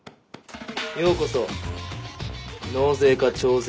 ようこそ納税課徴税